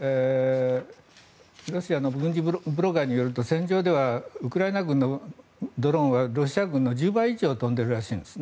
ロシアの軍事ブロガーによると戦場ではウクライナ軍のドローンはロシア軍の１０倍以上飛んでいるらしいんです。